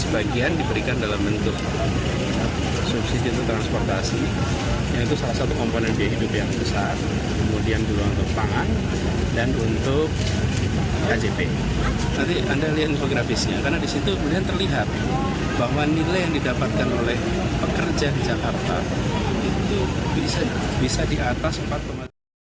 berita terkini mengenai pemerintahan jokowi jokowi